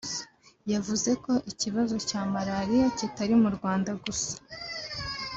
yavuze ko ikibazo cya Malariya kitari mu Rwanda gusa